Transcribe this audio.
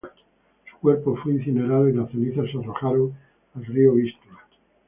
Su cuerpo fue incinerado y las cenizas se arrojaron al río Vístula.